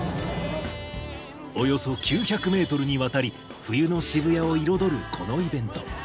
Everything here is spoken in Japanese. およそ９００メートルにわたり、冬の渋谷を彩るこのイベント。